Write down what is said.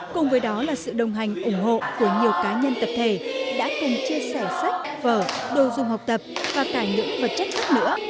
cùng với đó là sự đồng hành ủng hộ của nhiều cá nhân tập thể đã cùng chia sẻ sách vở đồ dùng học tập và cả những vật chất khác nữa